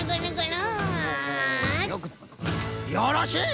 よろしい！